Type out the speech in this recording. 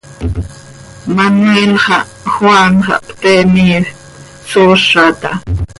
Manuel xah, Juan xah, pte miifp, sooza taa.